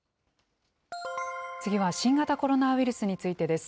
次は新型コロナウイルスについてです。